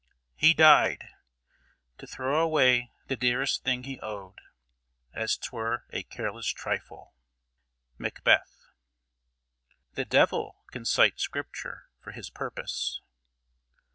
He died, To throw away the dearest thing he owed, As 'twere a careless trifle. MACBETH. The devil can cite Scripture for his purpose.